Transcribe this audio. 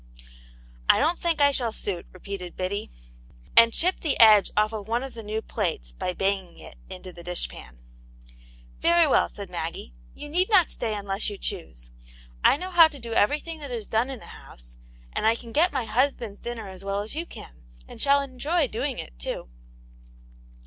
" I don't think I shall suit," repeated Biddy, and chipped the edge off one of the new plates by banging it into the dish pan. "Very well," said Maggie. "You need not stay unless you choose. I know how to do everything that is done in a house, and 1 catv ^el tcvy W^^M'^ Aunt yane^s Hero, lOl dinner as well as you can ; and shall enjoy doing it, too."